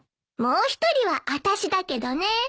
もう１人は私だけどね。